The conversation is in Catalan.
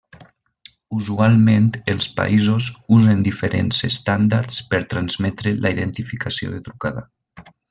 Usualment els països usen diferents estàndards per transmetre la identificació de trucada.